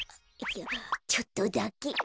ちょっとだけ。